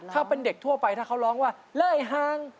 ถ้าเป็นเด็กทั่วไปถ้าเขาร้องว่าเล่ยห่าง